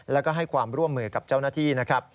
แล้วก็ให้ความร่วมมือกับเจ้าหน้าที่นะครับ